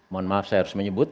mohon maaf saya harus menyebut